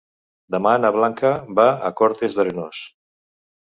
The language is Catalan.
Demà na Blanca va a Cortes d'Arenós.